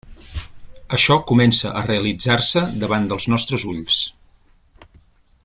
Això comença a realitzar-se davant dels nostres ulls.